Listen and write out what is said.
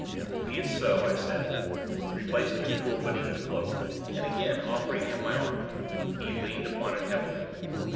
"Be it so," I said, replacing the tool beneath the cloak, and again offering him my arm. He leaned upon it heavily.